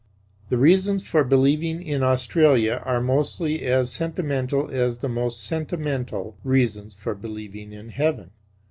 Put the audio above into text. The reasons for believing in Australia are mostly as sentimental as the most sentimental reasons for believing in heaven.